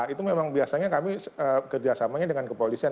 itu memang biasanya kami kerjasamanya dengan kepolisian